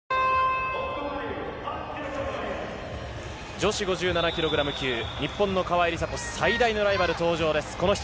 女子５７ｋｇ級、日本の川井梨紗子、最大のライバル登場です。